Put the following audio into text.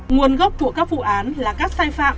nguồn gốc của các vụ án là các sai phạm